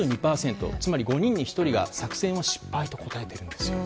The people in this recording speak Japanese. つまり５人に１人が作戦を失敗と答えているんです。